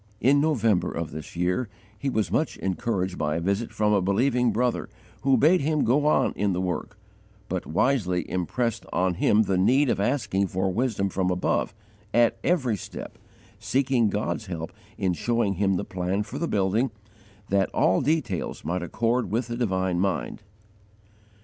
In November of this year, he was much encouraged by a visit from a believing brother* who bade him go on in the work, but wisely impressed on him the need of asking for wisdom from above, at every step, seeking God's help in showing him the plan for the building, that all details might accord with the divine mind.